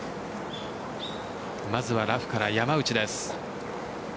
まずはラフから山内です。